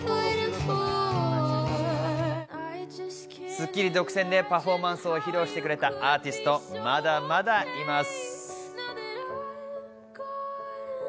『スッキリ』独占でパフォーマンスを披露してくれたアーティスト、まだまだいます。